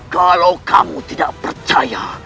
kalau kamu tidak percaya